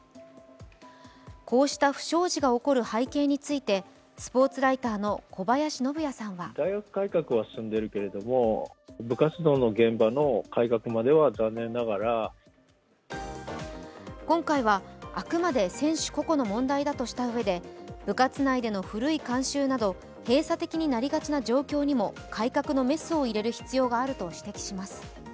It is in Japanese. こうした不祥事が起こる背景についてスポーツライターの小林信也さんは今回はあくまで選手個々の問題だとしたうえで部活内での古い慣習での閉鎖的になりがちな状況にも改革のメスを入れる必要があると指摘します。